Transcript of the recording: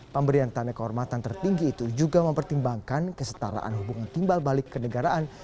pemberian tanda kehormatan tertinggi itu juga mempertimbangkan kesetaraan hubungan timbal balik ke negaraan